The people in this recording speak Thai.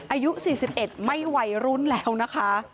อายุ๔๑ไม่วัยรุ่นแล้วนะคะ